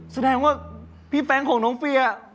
แสดงว่าพี่แป๊งของน้องเฟีย